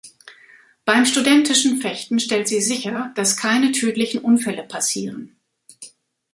Beim studentischen Fechten stellt sie sicher, dass keine tödlichen Unfälle passieren.